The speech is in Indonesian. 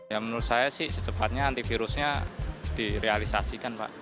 ya menurut saya sih secepatnya antivirusnya direalisasikan pak